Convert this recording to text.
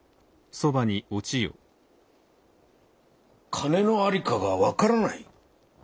金の在りかが分からない？